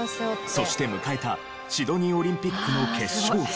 そして迎えたシドニーオリンピックの決勝戦。